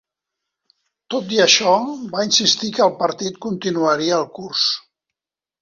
Tot i això, va insistir que el partit "continuaria el curs".